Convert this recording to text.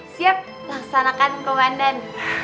siap laksanakan komandan